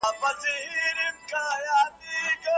کوم مسووليتونه چي زمونږ دي په دوی هم سته.